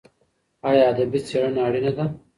ایا ادبي څېړنه اړینه ده؟